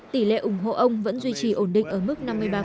tỷ lệ ủng hộ ông vẫn duy trì ổn định ở mức năm mươi ba